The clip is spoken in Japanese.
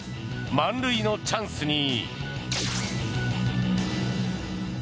満塁のチャンスに。